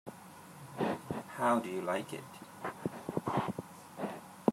How do you like it?